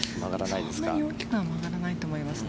そんなに大きくは曲がらないですか？